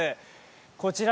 こちら